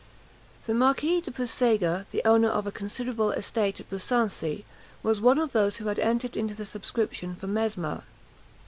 The Marquis de Puysegur, the owner of a considerable estate at Busancy, was one of those who had entered into the subscription for Mesmer.